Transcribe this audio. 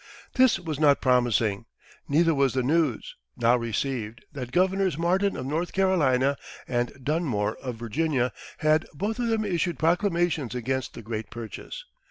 This was not promising. Neither was the news, now received, that Governors Martin of North Carolina, and Dunmore of Virginia had both of them issued proclamations against the great purchase.